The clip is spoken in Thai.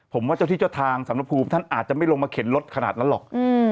ผมว่าเจ้าที่เจ้าทางสมภูมิท่านอาจจะไม่ลงมาเข็นรถขนาดนั้นหรอก